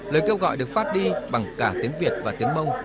lời kêu gọi được phát đi bằng cả tiếng việt và tiếng bông